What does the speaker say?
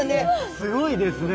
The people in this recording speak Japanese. すごいですね。